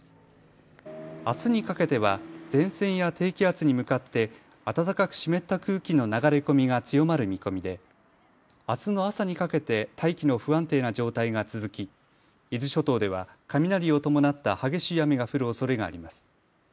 あすにかけては前線や低気圧に向かって暖かく湿った空気の流れ込みが強まる見込みであすの朝にかけて大気の不安定な状態が続き伊豆諸島では雷を伴った激しい雨が降るおそれがあります。